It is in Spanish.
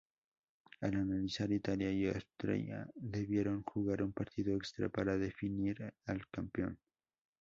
Al finalizar Italia y Austria debieron jugar un partido extra para definir al campeón.